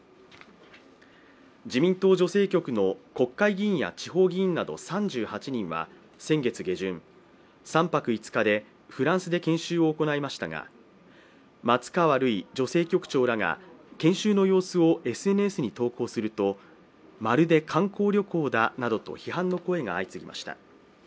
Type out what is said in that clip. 自民党女性局の国会議員や地方議員など３８人は３泊５日でフランスで研修を行いましたが松川るい女性局長らが研修の様子をＳＮＳに投稿すると、「まるで観光旅行だ」などと批判の声が相次ぎました。